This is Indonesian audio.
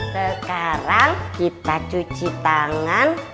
sekarang kita cuci tangan